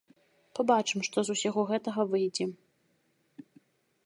Пабачым, што з усяго гэтага выйдзе.